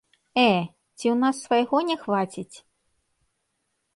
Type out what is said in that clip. Э, ці ў нас свайго не хваціць?